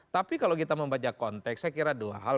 tapi kalau kita membaca konteks saya kira dua hal